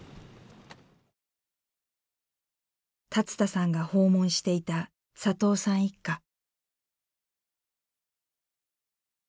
龍田さんが訪問していた佐藤さん一家。